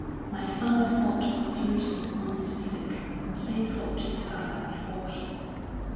"My father fought for duty and honour's sake, and so fought his father before him."